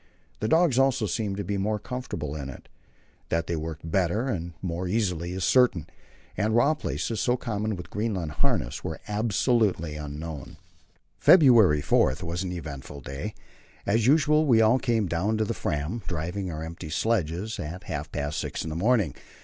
The dogs also seemed to be more comfortable in it. That they worked better and more easily is certain, and raw places, so common with Greenland harness, were absolutely unknown. February 4 was an eventful day. As usual, we all came down to the Fram, driving our empty sledges, at half past six in the morning.